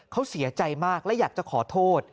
เขาเสียใจมากและอยากจะขอโทษ